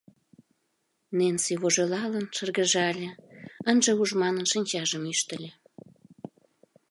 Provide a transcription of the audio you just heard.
Ненси, вожылалын, шыргыжале, ынже уж манын, шинчажым ӱштыльӧ.